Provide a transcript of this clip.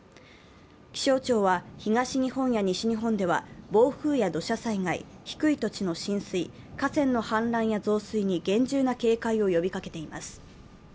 気象庁は東日本や西日本では暴風や土砂災害、低い土地の浸水、河川の氾濫や増水に厳重な警戒を呼びかけています。